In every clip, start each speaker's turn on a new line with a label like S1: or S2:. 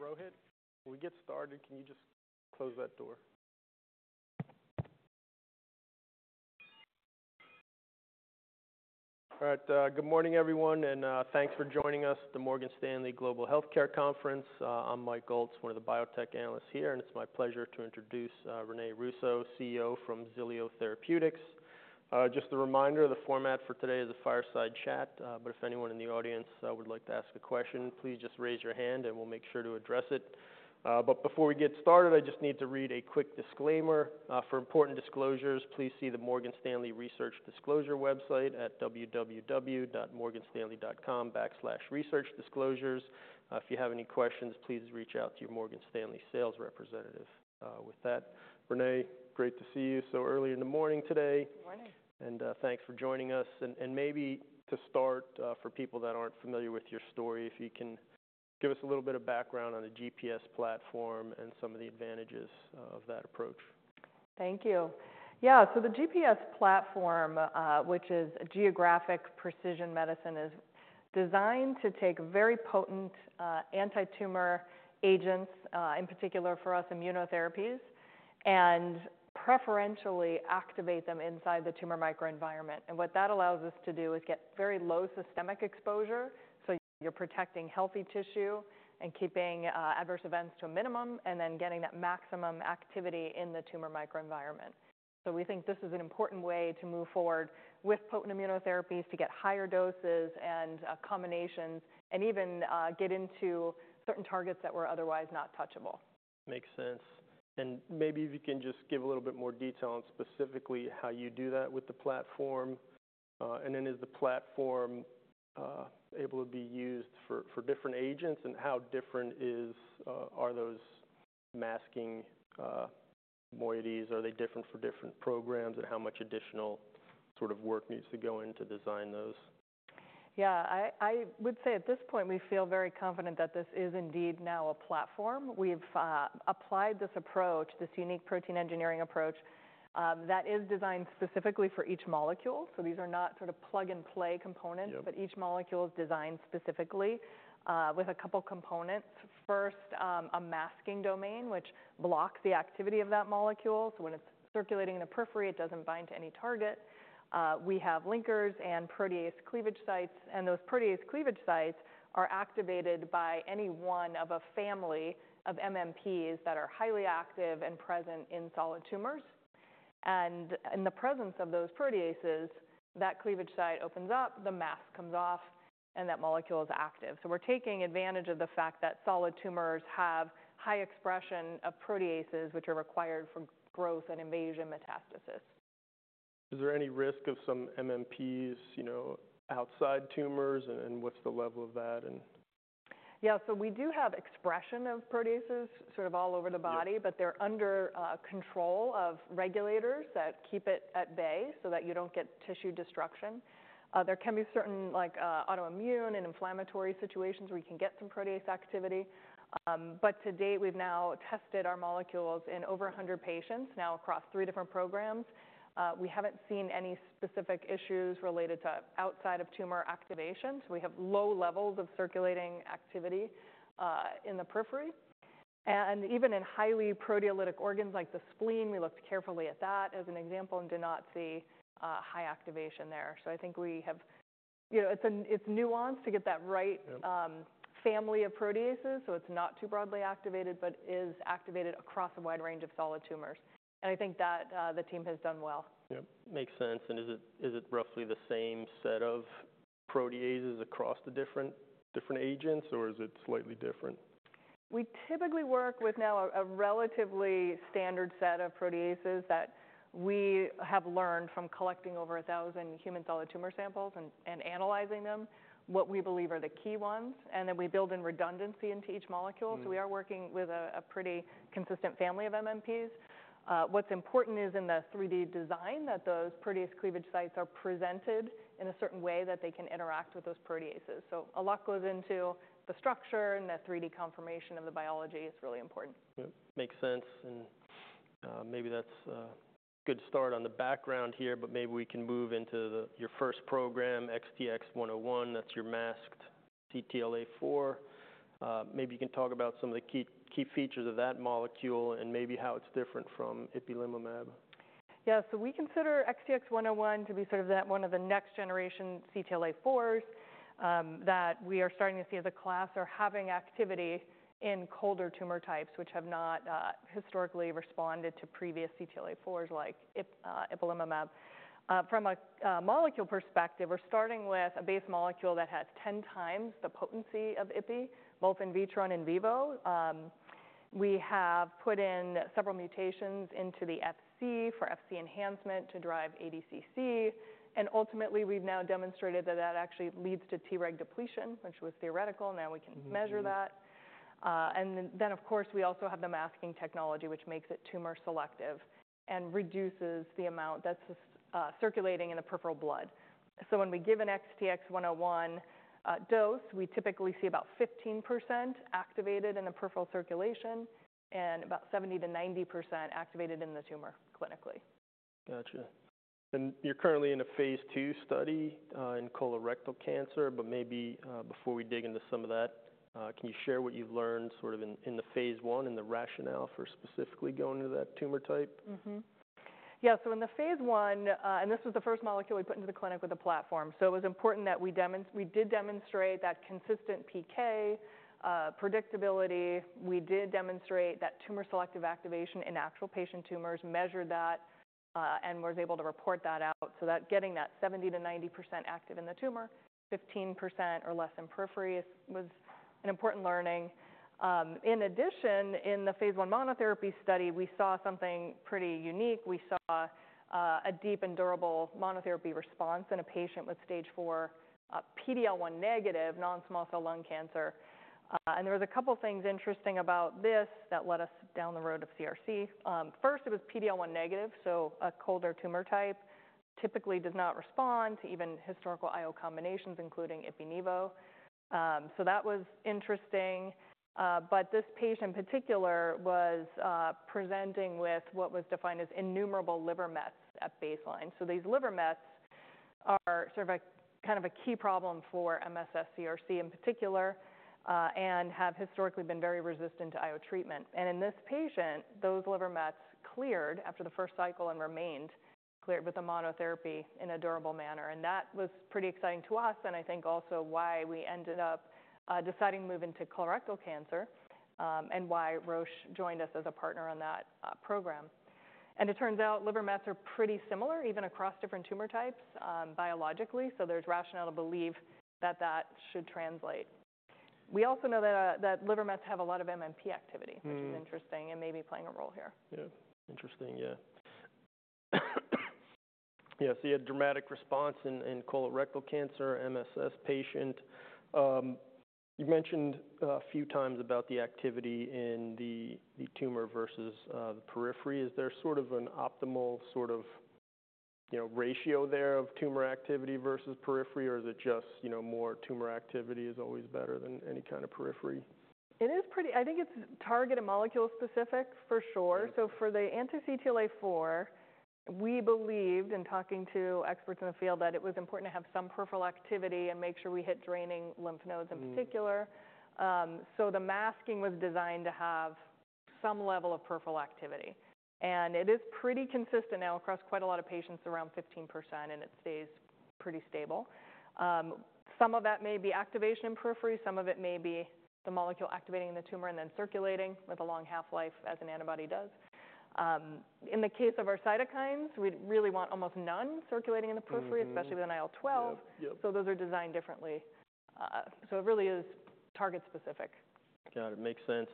S1: Rohit, when we get started, can you just close that door? All right, good morning, everyone, and thanks for joining us at the Morgan Stanley Global Healthcare Conference. I'm Michael Ulz, one of the biotech analysts here, and it's my pleasure to introduce René Russo, CEO from Xilio Therapeutics. Just a reminder, the format for today is a fireside chat, but if anyone in the audience would like to ask a question, please just raise your hand, and we'll make sure to address it. But before we get started, I just need to read a quick disclaimer. "For important disclosures, please see the Morgan Stanley Research Disclosure website at www.morganstanley.com/researchdisclosures. If you have any questions, please reach out to your Morgan Stanley sales representative." With that, René, great to see you so early in the morning today.
S2: Good morning.
S1: Thanks for joining us. Maybe to start, for people that aren't familiar with your story, if you can give us a little bit of background on the GPS platform and some of the advantages of that approach.
S2: Thank you. Yeah, so the GPS platform, which is Geographic Precision Medicine, is designed to take very potent, anti-tumor agents, in particular for us, immunotherapies, and preferentially activate them inside the tumor microenvironment, and what that allows us to do is get very low systemic exposure, so you're protecting healthy tissue and keeping adverse events to a minimum, and then getting that maximum activity in the tumor microenvironment, so we think this is an important way to move forward with potent immunotherapies to get higher doses and, combinations, and even, get into certain targets that were otherwise not touchable.
S1: Makes sense. And maybe if you can just give a little bit more detail on specifically how you do that with the platform. And then is the platform able to be used for different agents? And how different are those masking moieties? Are they different for different programs, and how much additional sort of work needs to go in to design those?
S2: Yeah, I, I would say at this point, we feel very confident that this is indeed now a platform. We've applied this approach, this unique protein engineering approach, that is designed specifically for each molecule. So these are not sort of plug-and-play components-
S1: Yep...
S2: but each molecule is designed specifically with a couple components. First, a masking domain, which blocks the activity of that molecule, so when it's circulating in the periphery, it doesn't bind to any target. We have linkers and protease cleavage sites, and those protease cleavage sites are activated by any one of a family of MMPs that are highly active and present in solid tumors. And in the presence of those proteases, that cleavage site opens up, the mask comes off, and that molecule is active. So we're taking advantage of the fact that solid tumors have high expression of proteases, which are required for growth and invasion metastasis.
S1: Is there any risk of some MMPs, you know, outside tumors, and, and what's the level of that and...?
S2: Yeah, so we do have expression of proteases sort of all over the body.
S1: Yep...
S2: but they're under control of regulators that keep it at bay, so that you don't get tissue destruction. There can be certain, like, autoimmune and inflammatory situations where you can get some protease activity. But to date, we've now tested our molecules in over a hundred patients, now across three different programs. We haven't seen any specific issues related to outside of tumor activation, so we have low levels of circulating activity in the periphery. And even in highly proteolytic organs like the spleen, we looked carefully at that as an example and did not see high activation there. So I think we have... You know, it's nuanced to get that right-
S1: Yep...
S2: family of proteases, so it's not too broadly activated, but is activated across a wide range of solid tumors. And I think that the team has done well.
S1: Yep, makes sense. And is it, is it roughly the same set of proteases across the different, different agents, or is it slightly different?
S2: We typically work with now a relatively standard set of proteases that we have learned from collecting over a thousand human solid tumor samples and analyzing them, what we believe are the key ones, and then we build in redundancy into each molecule.
S1: Mm-hmm.
S2: So we are working with a pretty consistent family of MMPs. What's important is in the 3D design, that those protease cleavage sites are presented in a certain way that they can interact with those proteases. So a lot goes into the structure, and the 3D conformation of the biology is really important.
S1: Yep, makes sense, and, maybe that's a good start on the background here, but maybe we can move into the, your first program, XTX101. That's your masked CTLA-4. Maybe you can talk about some of the key features of that molecule and maybe how it's different from Ipilimumab.
S2: Yeah, so we consider XTX101 to be sort of that one of the next generation CTLA-4s that we are starting to see as a class are having activity in colder tumor types, which have not historically responded to previous CTLA-4s, like ipilimumab. From a molecule perspective, we're starting with a base molecule that has ten times the potency of ipi, both in vitro and in vivo. We have put in several mutations into the Fc for Fc enhancement to drive ADCC, and ultimately, we've now demonstrated that that actually leads to Treg depletion, which was theoretical. Now we can-
S1: Mm-hmm...
S2: measure that. And then, of course, we also have the masking technology, which makes it tumor selective and reduces the amount that's circulating in the peripheral blood. So when we give an XTX101 dose, we typically see about 15% activated in the peripheral circulation and about 70 to 90% activated in the tumor, clinically....
S1: Gotcha. And you're currently in a phase II study in colorectal cancer, but maybe before we dig into some of that, can you share what you've learned sort of in the phase I and the rationale for specifically going to that tumor type?
S2: Mm-hmm. Yeah, so in the phase I, and this was the first molecule we put into the clinic with a platform, so it was important that we did demonstrate that consistent PK, predictability. We did demonstrate that tumor selective activation in actual patient tumors, measured that, and was able to report that out, so that getting that 70-90% active in the tumor, 15% or less in periphery, was an important learning. In addition, in the phase I monotherapy study, we saw something pretty unique. We saw, a deep and durable monotherapy response in a patient with Stage IV, PD-L1 negative non-small cell lung cancer. And there was a couple of things interesting about this that led us down the road of CRC. First, it was PD-L1 negative, so a colder tumor type. Typically does not respond to even historical IO combinations, including ipi-nivo. So that was interesting, but this patient in particular was presenting with what was defined as innumerable liver mets at baseline. So these liver mets are sort of a kind of a key problem for MSS CRC in particular, and have historically been very resistant to IO treatment. And in this patient, those liver mets cleared after the first cycle and remained cleared with the monotherapy in a durable manner, and that was pretty exciting to us, and I think also why we ended up deciding to move into colorectal cancer, and why Roche joined us as a partner on that program. And it turns out liver mets are pretty similar, even across different tumor types, biologically, so there's rationale to believe that that should translate. We also know that liver mets have a lot of MMP activity-
S1: Mm.
S2: which is interesting and may be playing a role here.
S1: Yeah. Interesting. Yeah, so you had a dramatic response in colorectal cancer, MSS patient. You mentioned a few times about the activity in the tumor versus the periphery. Is there sort of an optimal ratio there of tumor activity versus periphery, or is it just, you know, more tumor activity is always better than any kind of periphery?
S2: It is pretty, I think it's target and molecule specific for sure.
S1: Yeah.
S2: For the anti-CTLA-4, we believed, in talking to experts in the field, that it was important to have some peripheral activity and make sure we hit draining lymph nodes in particular.
S1: Mm.
S2: So the masking was designed to have some level of peripheral activity, and it is pretty consistent now across quite a lot of patients, around 15%, and it stays pretty stable. Some of that may be activation in periphery, some of it may be the molecule activating in the tumor and then circulating with a long half-life, as an antibody does. In the case of our cytokines, we'd really want almost none circulating in the periphery-
S1: Mm-hmm, mm-hmm.
S2: especially with IL-12.
S1: Yeah, yeah.
S2: So those are designed differently. So it really is target specific.
S1: Got it. Makes sense.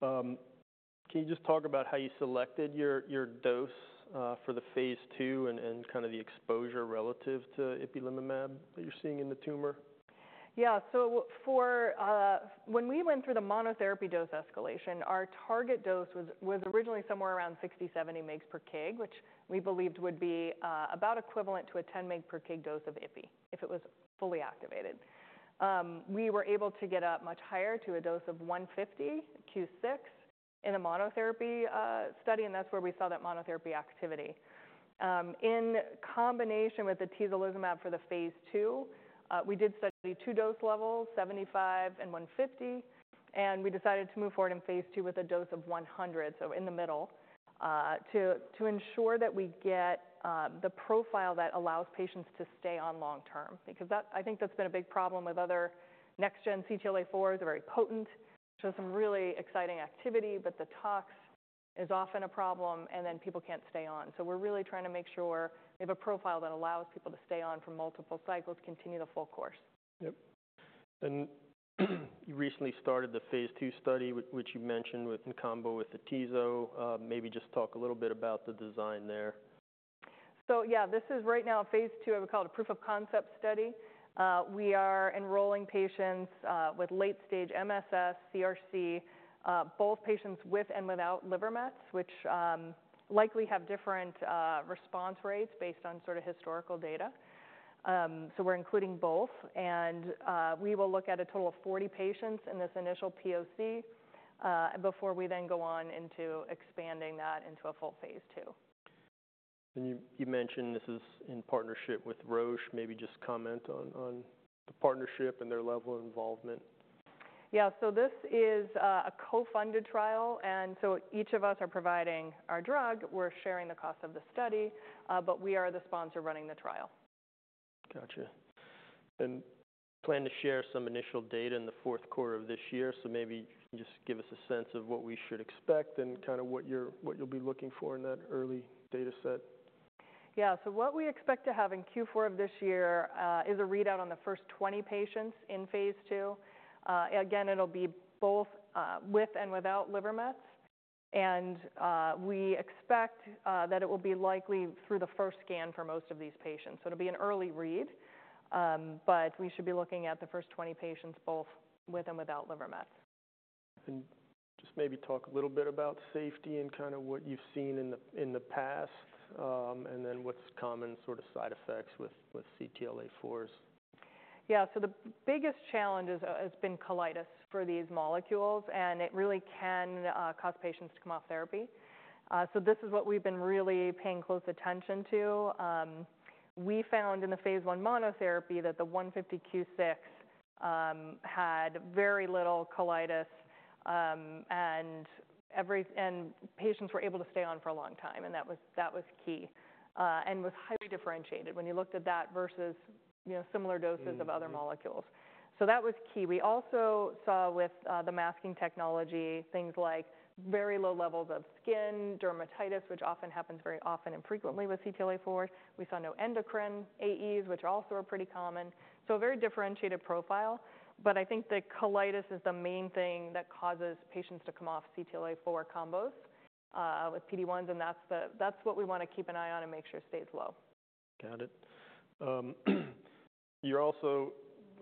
S1: Can you just talk about how you selected your, your dose, for the phase II and, and kind of the exposure relative to ipilimumab that you're seeing in the tumor?
S2: Yeah. So for, when we went through the monotherapy dose escalation, our target dose was originally somewhere around sixty, seventy mg per kg, which we believed would be about equivalent to a 10 mg per kg dose of ipi, if it was fully activated. We were able to get up much higher to a dose of 150, Q6, in a monotherapy study, and that's where we saw that monotherapy activity. In combination with the atezolizumab for the phase II, we did study two dose levels, 75 and 150, and we decided to move forward in phase II with a dose of 100, so in the middle, to ensure that we get the profile that allows patients to stay on long term, because that I think that's been a big problem with other next-gen CTLA-4s. They're very potent, show some really exciting activity, but the tox is often a problem, and then people can't stay on. So we're really trying to make sure we have a profile that allows people to stay on for multiple cycles, continue the full course.
S1: Yep. And you recently started the phase II study, which you mentioned with, in combo with the atezo. Maybe just talk a little bit about the design there.
S2: So yeah, this is right now a phase II, what we call a proof of concept study. We are enrolling patients with late-stage MSS CRC, both patients with and without liver mets, which likely have different response rates based on sort of historical data. So we're including both, and we will look at a total of 40 patients in this initial POC before we then go on into expanding that into a full phase II.
S1: And you mentioned this is in partnership with Roche. Maybe just comment on the partnership and their level of involvement.
S2: Yeah, so this is a co-funded trial, and so each of us are providing our drug. We're sharing the cost of the study, but we are the sponsor running the trial.
S1: Gotcha. And plan to share some initial data in the fourth quarter of this year, so maybe just give us a sense of what we should expect and kind of what you'll be looking for in that early data set.
S2: Yeah. So what we expect to have in Q4 of this year is a readout on the first twenty patients in phase II. Again, it'll be both with and without liver mets, and we expect that it will be likely through the first scan for most of these patients, so it'll be an early read. But we should be looking at the first twenty patients, both with and without liver mets.
S1: And just maybe talk a little bit about safety and kind of what you've seen in the past, and then what's common sort of side effects with CTLA-4s?...
S2: Yeah, so the biggest challenge is, has been colitis for these molecules, and it really can cause patients to come off therapy. So this is what we've been really paying close attention to. We found in the phase I monotherapy that the one fifty Q six had very little colitis, and patients were able to stay on for a long time, and that was key. And was highly differentiated when you looked at that versus, you know, similar doses-
S1: Mm-hmm
S2: of other molecules. So that was key. We also saw with the masking technology, things like very low levels of skin dermatitis, which often happens very often and frequently with CTLA-4. We saw no endocrine AEs, which also are pretty common, so a very differentiated profile. But I think the colitis is the main thing that causes patients to come off CTLA-4 combos with PD-1s, and that's what we want to keep an eye on and make sure stays low.
S1: Got it. You also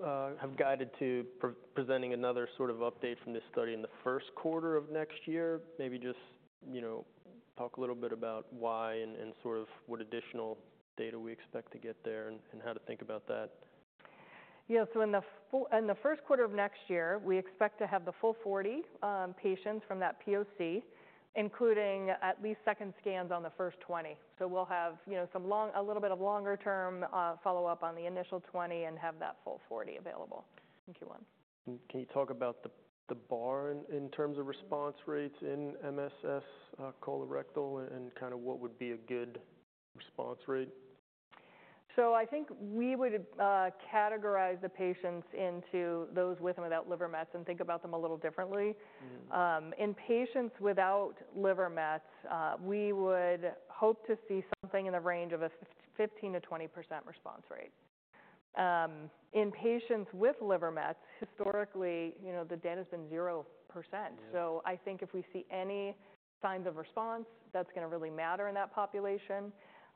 S1: have guided to presenting another sort of update from this study in the first quarter of next year. Maybe just, you know, talk a little bit about why and sort of what additional data we expect to get there and how to think about that.
S2: So in the first quarter of next year, we expect to have the full 40 patients from that POC, including at least second scans on the first 20. So we'll have, you know, a little bit of longer-term follow-up on the initial 20 and have that full 40 available in Q1.
S1: Can you talk about the bar in terms of response rates in MSS colorectal, and kind of what would be a good response rate?
S2: I think we would categorize the patients into those with and without liver mets and think about them a little differently.
S1: Mm-hmm.
S2: In patients without liver mets, we would hope to see something in the range of a 15% to 20% response rate. In patients with liver mets, historically, you know, the data's been 0%.
S1: Yeah.
S2: So I think if we see any signs of response, that's going to really matter in that population.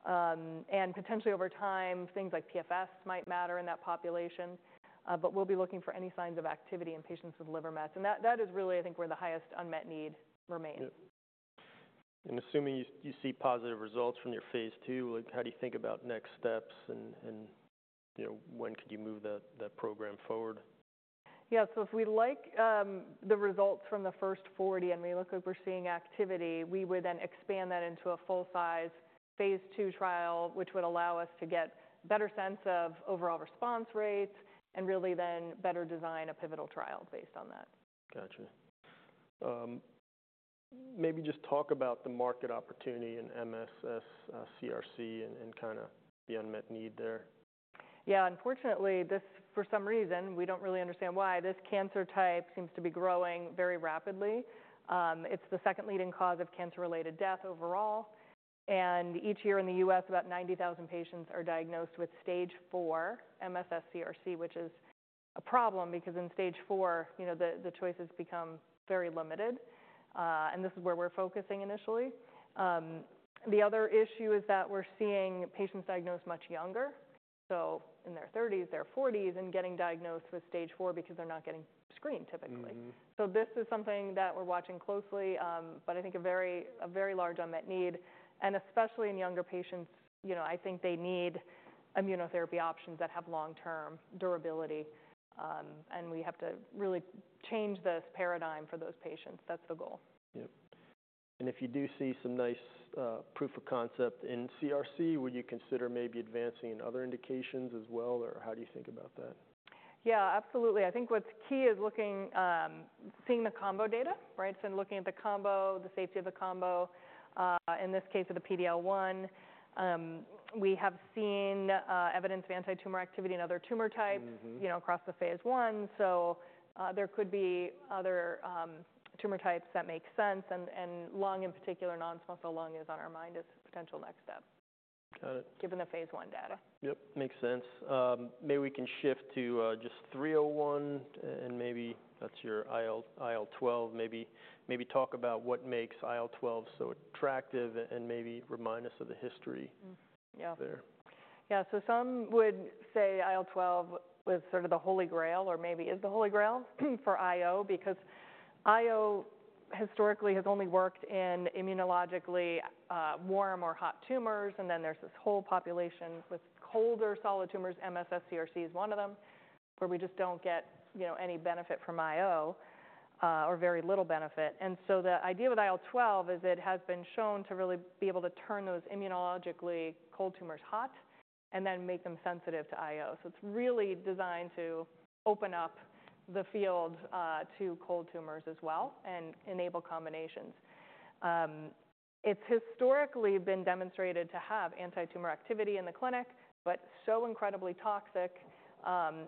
S2: And potentially over time, things like PFS might matter in that population, but we'll be looking for any signs of activity in patients with liver mets. And that is really, I think, where the highest unmet need remains.
S1: Yep. And assuming you see positive results from your phase II, like, how do you think about next steps and, you know, when could you move that program forward?
S2: Yeah. So if we like, the results from the first forty and we look like we're seeing activity, we would then expand that into a full-size phase II trial, which would allow us to get better sense of overall response rates and really then better design a pivotal trial based on that.
S1: Gotcha. Maybe just talk about the market opportunity in MSS, CRC, and kind of the unmet need there.
S2: Yeah. Unfortunately, this for some reason, we don't really understand why, this cancer type seems to be growing very rapidly. It's the second leading cause of cancer-related death overall, and each year in the U.S., about 90,000 patients are diagnosed with Stage IV MSS CRC, which is a problem because in Stage IV, you know, the choices become very limited, and this is where we're focusing initially. The other issue is that we're seeing patients diagnosed much younger, so in their thirties, their forties, and getting diagnosed with Stage IV because they're not getting screened typically.
S1: Mm-hmm.
S2: So this is something that we're watching closely, but I think a very large unmet need, and especially in younger patients, you know, I think they need immunotherapy options that have long-term durability, and we have to really change this paradigm for those patients. That's the goal.
S1: Yep. And if you do see some nice proof of concept in CRC, would you consider maybe advancing in other indications as well, or how do you think about that?
S2: Yeah, absolutely. I think what's key is looking, seeing the combo data, right? So looking at the combo, the safety of the combo, in this case, of the PD-L1. We have seen evidence of antitumor activity in other tumor types-
S1: Mm-hmm...
S2: you know, across the phase I, so, there could be other tumor types that make sense, and lung, in particular, non-small cell lung is on our mind as a potential next step.
S1: Got it...
S2: given the phase I data.
S1: Yep, makes sense. Maybe we can shift to just XTX301, and maybe that's your IL-12. Maybe talk about what makes IL-12 so attractive and maybe remind us of the history-
S2: Mm-hmm. Yeah.
S1: -there.
S2: Yeah. So some would say IL-12 was sort of the holy grail or maybe is the holy grail for IO, because IO historically has only worked in immunologically warm or hot tumors, and then there's this whole population with colder solid tumors. MSS-CRC is one of them, where we just don't get, you know, any benefit from IO or very little benefit. And so the idea with IL-12 is it has been shown to really be able to turn those immunologically cold tumors hot and then make them sensitive to IO. So it's really designed to open up the field to cold tumors as well and enable combinations. It's historically been demonstrated to have antitumor activity in the clinic, but so incredibly toxic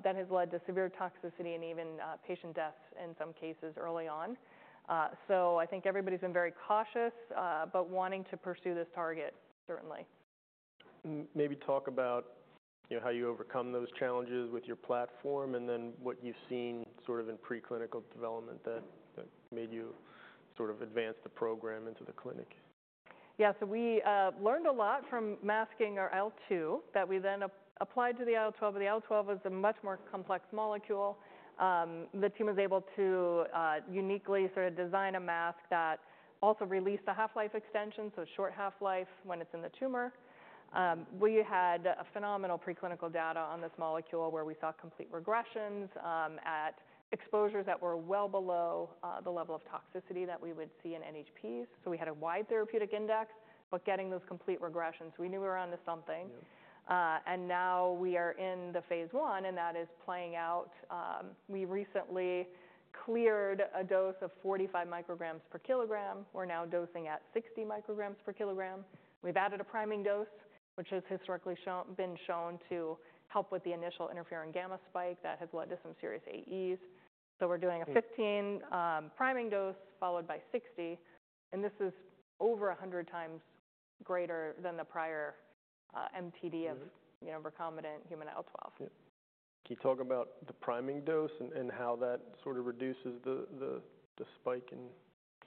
S2: that has led to severe toxicity and even patient deaths in some cases early on. So, I think everybody's been very cautious, but wanting to pursue this target, certainly.
S1: Maybe talk about, you know, how you overcome those challenges with your platform and then what you've seen sort of in preclinical development that made you sort of advance the program into the clinic.
S2: Yeah. So we learned a lot from masking our IL-2 that we then applied to the IL-12. The IL-12 was a much more complex molecule. The team was able to uniquely sort of design a mask that also released a half-life extension, so short half-life when it's in the tumor. We had a phenomenal preclinical data on this molecule, where we saw complete regressions at exposures that were well below the level of toxicity that we would see in NHPs. So we had a wide therapeutic index, but getting those complete regressions, we knew we were onto something.
S1: Yeah.
S2: Now we are in the phase I, and that is playing out. We recently cleared a dose of 45 micrograms per kilogram. We're now dosing at 60 micrograms per kilogram. We've added a priming dose, which has historically been shown to help with the initial interferon gamma spike that has led to some serious AEs. So we're doing-
S1: Yeah...
S2: a fifteen priming dose, followed by sixty, and this is over a hundred times greater than the prior MTD of-
S1: Yeah
S2: You know, recombinant human IL-12.
S1: Yeah. Can you talk about the priming dose and how that sort of reduces the spike in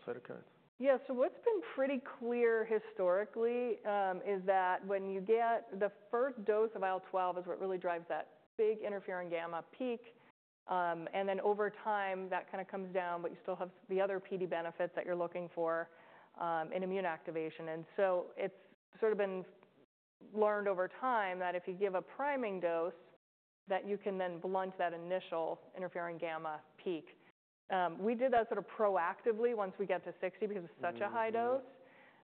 S1: cytokine?
S2: Yeah. So what's been pretty clear historically, is that when you get the first dose of IL-12 is what really drives that big interferon gamma peak. And then over time, that kind of comes down, but you still have the other PD benefits that you're looking for, in immune activation. And so it's sort of been learned over time that if you give a priming dose, that you can then blunt that initial interferon gamma peak. We did that sort of proactively once we get to sixty-
S1: Mm-hmm...
S2: because it's such a high dose,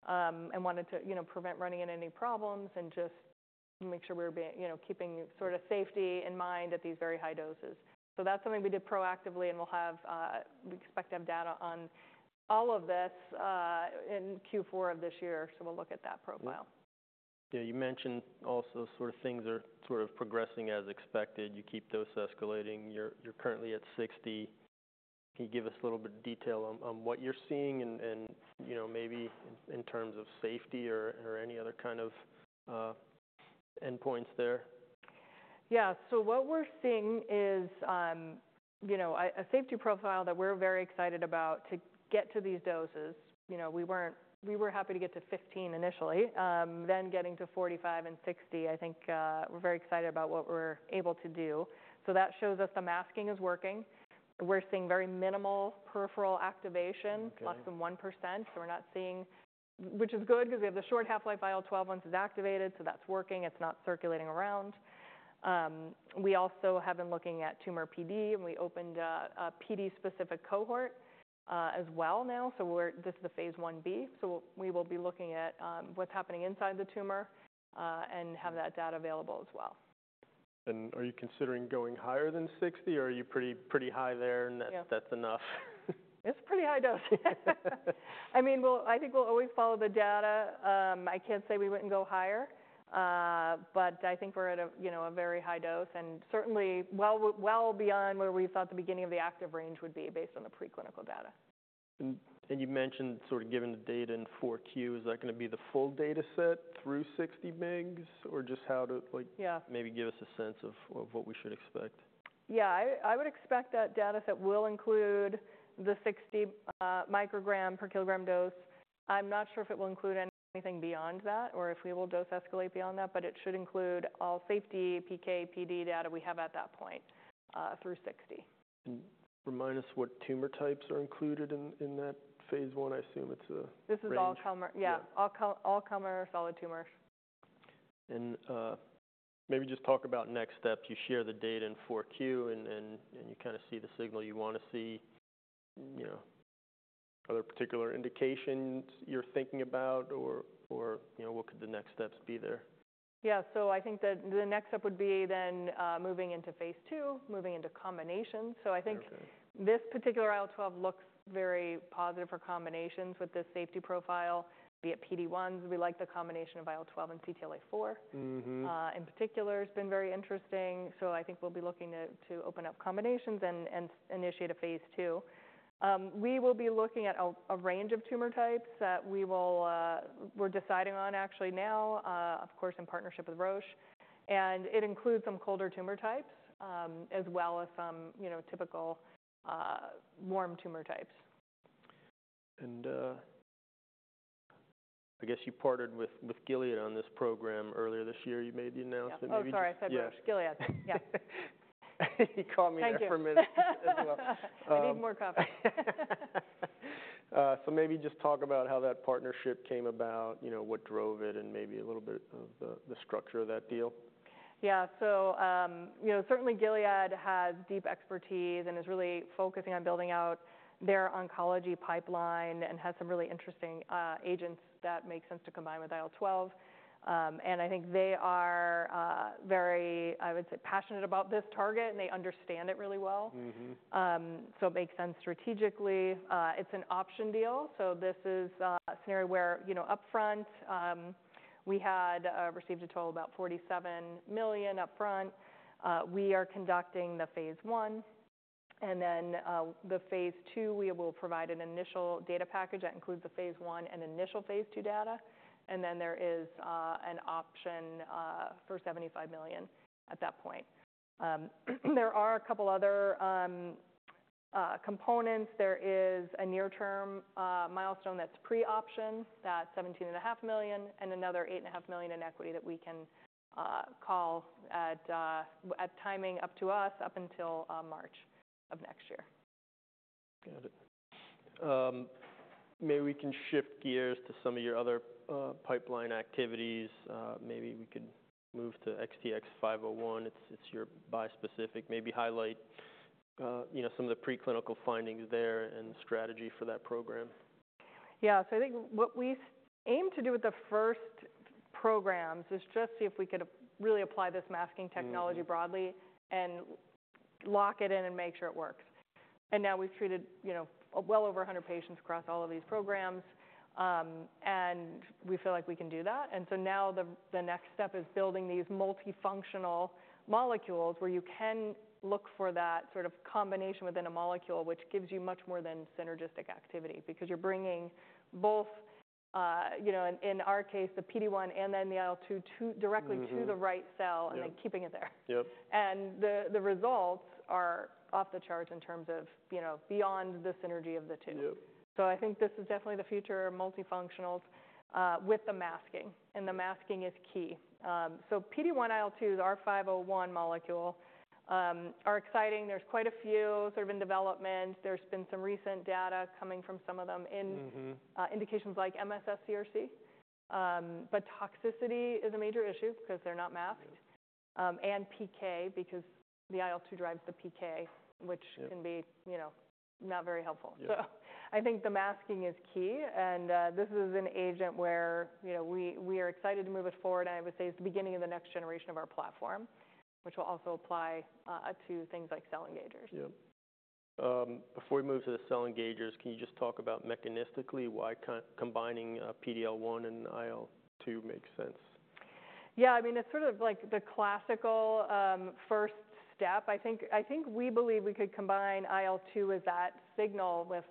S2: and wanted to, you know, prevent running into any problems and just make sure we were being, you know, keeping sort of safety in mind at these very high doses. So that's something we did proactively, and we'll have. We expect to have data on all of this, in Q4 of this year, so we'll look at that profile.
S1: Yeah. You mentioned also sort of things are sort of progressing as expected. You keep those escalating. You're currently at sixty. Can you give us a little bit of detail on what you're seeing and, you know, maybe in terms of safety or any other kind of endpoints there?
S2: Yeah. So what we're seeing is, you know, a safety profile that we're very excited about to get to these doses. You know, we were happy to get to 15 initially, then getting to 45 and 60. I think we're very excited about what we're able to do. So that shows us the masking is working. We're seeing very minimal peripheral activation.
S1: Okay...
S2: less than 1%. So we're not seeing, which is good because we have the short half-life IL-12 once it's activated, so that's working. It's not circulating around. We also have been looking at tumor PD, and we opened a PD-specific cohort as well now. So we're, this is the phase I-B, so we will be looking at what's happening inside the tumor, and have that data available as well.
S1: And are you considering going higher than 60, or are you pretty, pretty high there, and that-
S2: Yeah...
S1: that's enough?
S2: It's a pretty high dose. I mean, we'll. I think we'll always follow the data. I can't say we wouldn't go higher, but I think we're at a, you know, a very high dose and certainly well beyond where we thought the beginning of the active range would be, based on the preclinical data.
S1: You mentioned sort of giving the data in 4Q. Is that going to be the full data set through 60 mgs, or just how to like-
S2: Yeah...
S1: maybe give us a sense of what we should expect.
S2: Yeah, I would expect that data set will include the 60 microgram per kilogram dose. I'm not sure if it will include anything beyond that or if we will dose escalate beyond that, but it should include all safety, PK, PD data we have at that point through 60.
S1: Remind us what tumor types are included in that phase I? I assume it's a range.
S2: This is all comer-
S1: Yeah.
S2: Yeah, all-comer solid tumors.
S1: Maybe just talk about next steps. You share the data in Q4, and you kind of see the signal you want to see, you know, other particular indications you're thinking about or, you know, what could the next steps be there?
S2: Yeah. So I think that the next step would be then, moving into phase II, moving into combinations.
S1: Okay.
S2: I think this particular IL-12 looks very positive for combinations with this safety profile. Be it PD-1s, we like the combination of IL-12 and CTLA-4.
S1: Mm-hmm.
S2: In particular, it's been very interesting, so I think we'll be looking at to open up combinations and initiate a phase II. We will be looking at a range of tumor types that we're deciding on actually now, of course, in partnership with Roche, and it includes some colder tumor types, as well as some, you know, typical warm tumor types.
S1: I guess you partnered with Gilead on this program earlier this year. You made the announcement.
S2: Oh, sorry, I said Roche.
S1: Yeah.
S2: Gilead, yeah.
S1: You caught me there-
S2: Thank you...
S1: for a minute as well.
S2: I need more coffee.
S1: So maybe just talk about how that partnership came about, you know, what drove it, and maybe a little bit of the structure of that deal.
S2: Yeah. So, you know, certainly Gilead has deep expertise and is really focusing on building out their oncology pipeline and has some really interesting agents that make sense to combine with IL-12. And I think they are very, I would say, passionate about this target, and they understand it really well.
S1: Mm-hmm.
S2: So it makes sense strategically. It's an option deal, so this is a scenario where, you know, upfront, we had received a total of about $47 million upfront. We are conducting the phase I, and then, the phase II, we will provide an initial data package that includes the phase I and initial phase II data, and then there is an option for $75 million at that point. There are a couple other components. There is a near-term milestone that's pre-option, that's $17.5 million, and another $8.5 million in equity that we can call at, at timing up to us up until March of next year....
S1: Got it. Maybe we can shift gears to some of your other pipeline activities. Maybe we could move to XTX501. It's your bispecific. Maybe highlight, you know, some of the preclinical findings there and strategy for that program.
S2: Yeah. So I think what we aim to do with the first programs is just see if we could really apply this masking technology-
S1: Mm-hmm
S2: broadly and lock it in and make sure it works. And now we've treated, you know, well over a hundred patients across all of these programs, and we feel like we can do that. And so now the next step is building these multifunctional molecules where you can look for that sort of combination within a molecule, which gives you much more than synergistic activity, because you're bringing both, you know, in our case, the PD-1 and then the IL-2 to directly to the-
S1: Mm-hmm...
S2: right cell-
S1: Yeah
S2: And then keeping it there.
S1: Yep.
S2: And the results are off the charts in terms of, you know, beyond the synergy of the two.
S1: Yep.
S2: So I think this is definitely the future of multifunctionals, with the masking, and the masking is key. So PD-1/IL-2 is our 501 molecule, are exciting. There's quite a few sort of in development. There's been some recent data coming from some of them in-
S1: Mm-hmm
S2: Indications like MSS CRC, but toxicity is a major issue 'cause they're not masked.
S1: Yeah...
S2: and PK, because the IL-2 drives the PK, which-
S1: Yeah...
S2: can be, you know, not very helpful.
S1: Yeah.
S2: I think the masking is key, and this is an agent where, you know, we are excited to move it forward, and I would say it's the beginning of the next generation of our platform, which will also apply to things like cell engagers.
S1: Yep. Before we move to the cell engagers, can you just talk about mechanistically, why combining PD-L1 and IL-2 makes sense?
S2: Yeah, I mean, it's sort of like the classical, first step. I think, I think we believe we could combine IL-2 with that signal, with,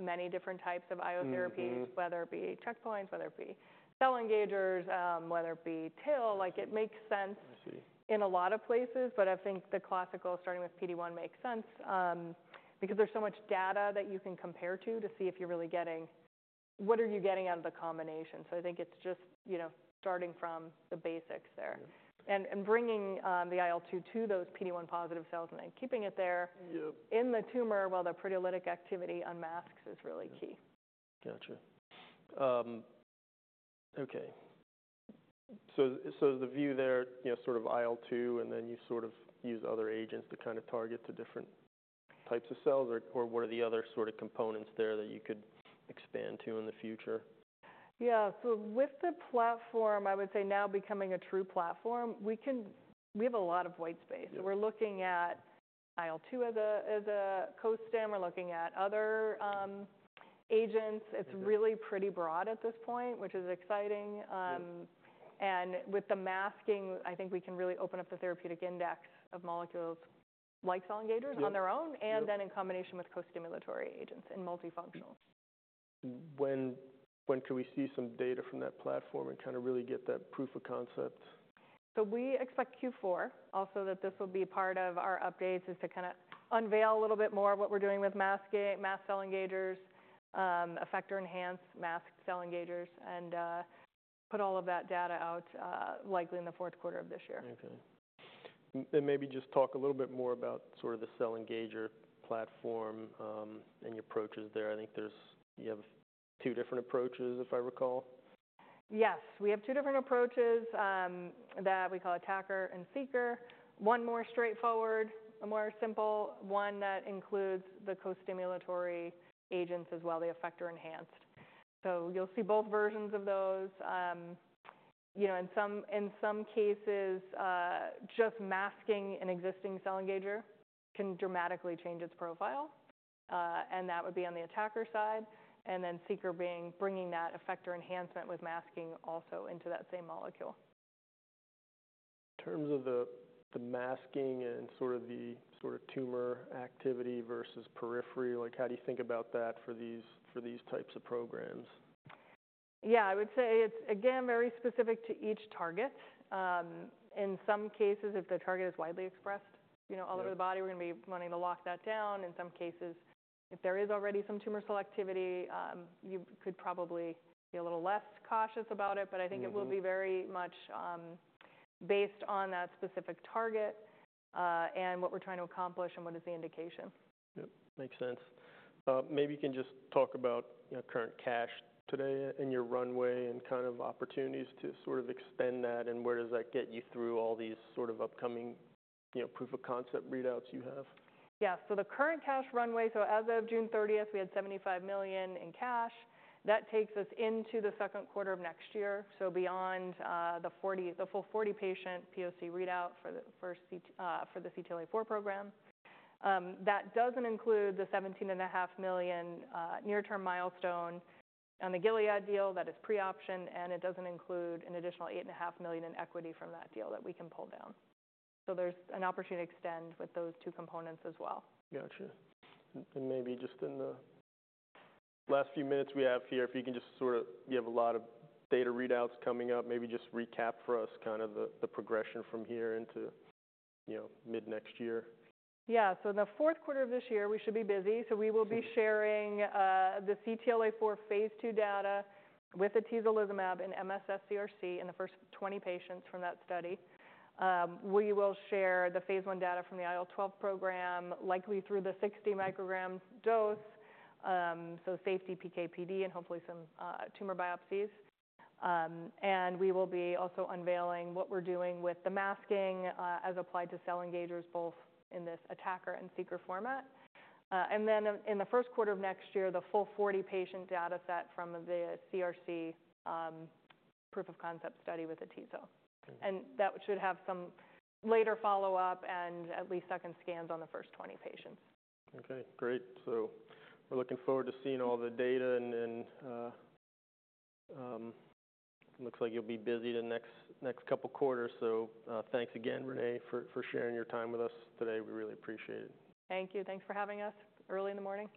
S2: many different types of immunotherapies-
S1: Mm-hmm...
S2: whether it be checkpoints, whether it be cell engagers, whether it be TIL, like, it makes sense-
S1: I see...
S2: in a lot of places, but I think the classical starting with PD-1 makes sense, because there's so much data that you can compare to, to see if you're really getting, what are you getting out of the combination? So I think it's just, you know, starting from the basics there.
S1: Yeah.
S2: And bringing the IL-2 to those PD-1 positive cells and then keeping it there-
S1: Yep...
S2: in the tumor while the proteolytic activity unmasks is really key.
S1: Gotcha. Okay. So the view there, you know, sort of IL-2, and then you sort of use other agents to kind of target the different types of cells, or what are the other sort of components there that you could expand to in the future?
S2: Yeah. So with the platform, I would say now becoming a true platform, we can, we have a lot of white space.
S1: Yeah.
S2: So we're looking at IL-2 as a co-stim. We're looking at other agents.
S1: Mm-hmm.
S2: It's really pretty broad at this point, which is exciting.
S1: Yeah...
S2: and with the masking, I think we can really open up the therapeutic index of molecules like cell engagers-
S1: Yep...
S2: on their own-
S1: Yep...
S2: and then in combination with co-stimulatory agents and multifunctionals.
S1: When can we see some data from that platform and kind of really get that proof of concept?
S2: So we expect Q4. Also, that this will be part of our updates, is to kinda unveil a little bit more of what we're doing with masked cell engagers, effector enhanced masked cell engagers, and, put all of that data out, likely in the fourth quarter of this year.
S1: Okay, and maybe just talk a little bit more about sort of the cell engager platform and your approaches there. I think you have two different approaches, if I recall.
S2: Yes, we have two different approaches that we call Attacker and Seeker. One more straightforward, a more simple one that includes the co-stimulatory agents as well, the effector enhanced. So you'll see both versions of those. You know, in some cases, just masking an existing cell engager can dramatically change its profile, and that would be on the Attacker side, and then Seeker being bringing that effector enhancement with masking also into that same molecule.
S1: In terms of the masking and sort of tumor activity versus periphery, like, how do you think about that for these types of programs?
S2: Yeah, I would say it's, again, very specific to each target. In some cases, if the target is widely expressed-
S1: Yeah...
S2: you know, all over the body, we're gonna be wanting to lock that down. In some cases, if there is already some tumor selectivity, you could probably be a little less cautious about it.
S1: Mm-hmm.
S2: But I think it will be very much based on that specific target, and what we're trying to accomplish and what is the indication.
S1: Yep, makes sense. Maybe you can just talk about, you know, current cash today and your runway and kind of opportunities to sort of extend that, and where does that get you through all these sort of upcoming, you know, proof of concept readouts you have?
S2: Yeah. So the current cash runway, so as of June thirtieth, we had $75 million in cash. That takes us into the second quarter of next year, so beyond the full 40-patient POC readout for the first CTLA-4 program. That doesn't include the $17.5 million near-term milestone on the Gilead deal. That is pre-option, and it doesn't include an additional $8.5 million in equity from that deal that we can pull down. So there's an opportunity to extend with those two components as well.
S1: Gotcha. And maybe just in the last few minutes we have here, if you can just sort of, you have a lot of data readouts coming up, maybe just recap for us kind of the progression from here into, you know, mid-next year.
S2: Yeah, so in the fourth quarter of this year, we should be busy.
S1: Yeah.
S2: We will be sharing the CTLA-4 phase II data with atezolizumab and MSS CRC in the first 20 patients from that study. We will share the phase I data from the IL-12 program, likely through the 60 micrograms dose, so safety, PK/PD, and hopefully some tumor biopsies. And we will be also unveiling what we're doing with the masking as applied to cell engagers, both in this Attacker and Seeker format. And then in the first quarter of next year, the full 40-patient data set from the CRC proof of concept study with atezo.
S1: Okay.
S2: That should have some later follow-up and at least second scans on the first twenty patients.
S1: Okay, great. So we're looking forward to seeing all the data, and then looks like you'll be busy the next couple quarters. So, thanks again, René, for sharing your time with us today. We really appreciate it.
S2: Thank you. Thanks for having us early in the morning.